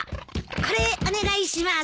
これお願いします。